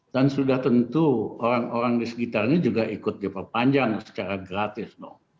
dan sudah tentu orang orang di sekitarnya juga ikut diperpanjang secara gratis